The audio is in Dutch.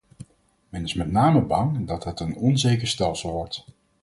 Men is met name bang dat het een onzeker stelsel wordt.